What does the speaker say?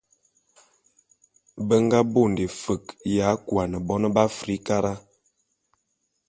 Be nga bonde fe'e ya kuane bon b'Afrikara.